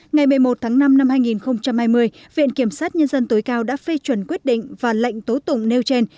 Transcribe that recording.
ngày một mươi một tháng năm năm hai nghìn hai mươi viện kiểm sát nhân dân tối cao đã phê chuẩn quyết định và lệnh tố tụng nêu trên